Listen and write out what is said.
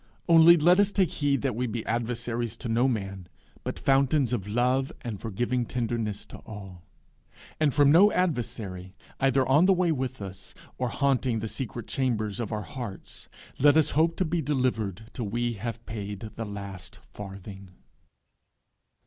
Only let us take heed that we be adversaries to no man, but fountains of love and forgiving tenderness to all. And from no adversary, either on the way with us, or haunting the secret chamber of our hearts, let us hope to be delivered till we have paid the last farthing.